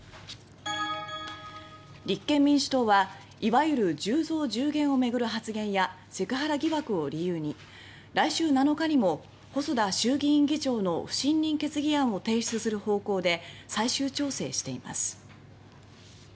立憲民主党は、いわゆる１０増１０減を巡る発言やセクハラ疑惑を理由に来週７日にも細田衆議院議長の不信任決議案を提出する方向で最終調整しています。